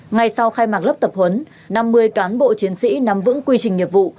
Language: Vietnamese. ngay sau khai mạc lớp tập huấn năm mươi cán bộ chiến sĩ nắm vững quy trình nghiệp vụ